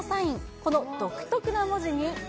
この独特な文字に。